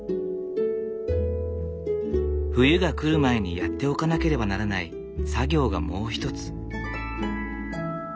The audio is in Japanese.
冬が来る前にやっておかなければならない作業がもう一つ。